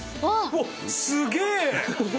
うわっすげえ！